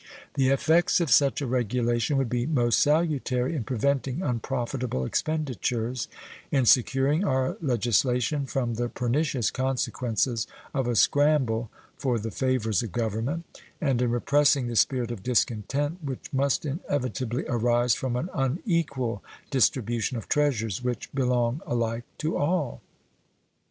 The effects of such a regulation would be most salutary in preventing unprofitable expenditures, in securing our legislation from the pernicious consequences of a scramble for the favors of Government, and in repressing the spirit of discontent which must inevitably arise from an unequal distribution of treasures which belong alike to all.